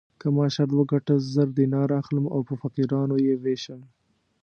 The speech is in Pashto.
که ما شرط وګټه زر دیناره اخلم او په فقیرانو یې وېشم.